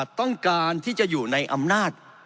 ต้องการที่จะอยู่ในอำนาจ